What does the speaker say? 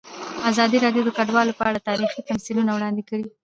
ازادي راډیو د کډوال په اړه تاریخي تمثیلونه وړاندې کړي.